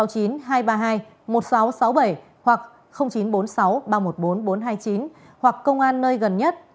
hoặc chín trăm bốn mươi sáu ba trăm một mươi bốn bốn trăm hai mươi chín hoặc công an nơi gần nhất